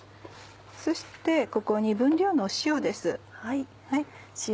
そしてここに分量の塩です。